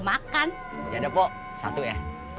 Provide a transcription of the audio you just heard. makan ya depo satu ya